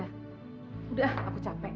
sudah aku capek